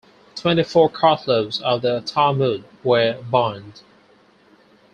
Twenty-four cartloads of the Talmud were burned.